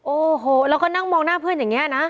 โอ้โหแล้วก็นั่งมองหน้าเพื่อนอย่างนี้นะ